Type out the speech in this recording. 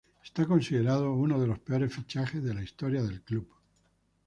Está considerado uno de los peores fichajes de la historia del club.